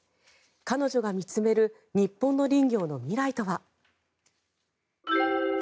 彼女が見つめる日本の林業の未来とは。